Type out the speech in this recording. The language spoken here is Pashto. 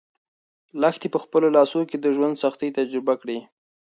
لښتې په خپلو لاسو کې د ژوند سختۍ تجربه کړې.